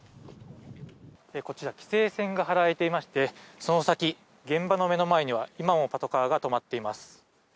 こちら規制線が張られていましてその先、現場の目の前には今もパトカーが止まっています。